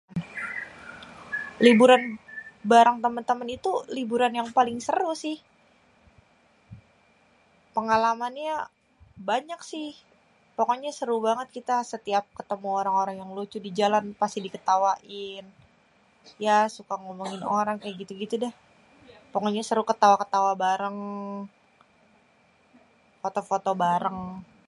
Liburan bareng temen-temen itu liburan yang paling seru sih. Pengalamannya banyak sih pokoknya seru banget kita setiap ketemu orang-orang yang lucu di jalan pasti diketawain, ya suka ngomongin orang kayak gitu-gitu dah. Pokoknya seru ketawa-ketawa bareng foto-foto bareng..